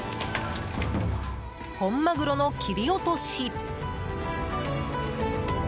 本マグロの切り落とし。